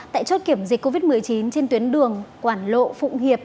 tại chốt kiểm dịch covid một mươi chín trên tuyến đường quảng lộ phụng hiệp